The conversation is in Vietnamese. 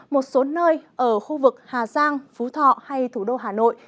một số nơi ở khu vực hà giang phú thọ hay thủ đô hà nội